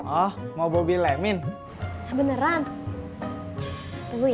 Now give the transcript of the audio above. oh mau bobil emin beneran dulu ya